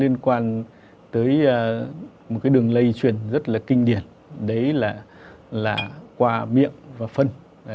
một đường lây truyền rất kinh điển đó là qua miệng và phân